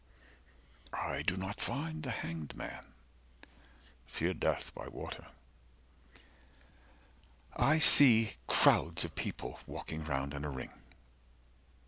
I do not find The Hanged Man. Fear death by water. 55 I see crowds of people, walking round in a ring.